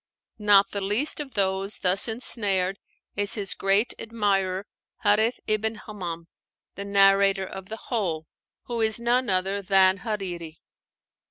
Not the least of those thus ensnared is his great admirer, Háreth ibn Hammám, the narrator of the whole, who is none other than Hariri.